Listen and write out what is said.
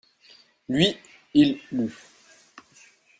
Lui, il lut.